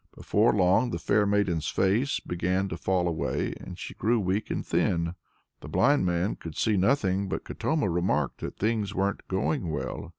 Before long the fair maiden's face began to fall away, and she grew weak and thin. The blind man could see nothing, but Katoma remarked that things weren't going well.